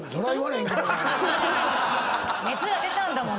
熱が出たんだもん。